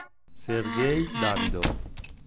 Sergej Davydov